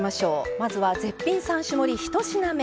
まずは絶品３種盛り１品目。